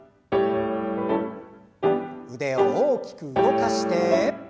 腕を大きく動かして。